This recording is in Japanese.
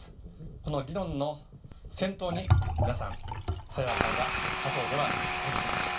この議論の先頭に皆さん、清和会は立とうではありませんか。